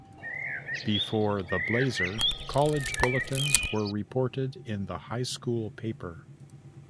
Before "The Blazer", college bulletins were reported in the high school paper.